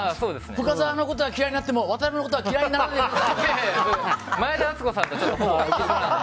深澤のことは嫌いになっても渡辺のことは前田敦子さんのなんで。